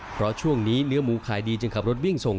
เพราะช่วงนี้เนื้อหมูขายดีจึงขับรถวิ่งส่ง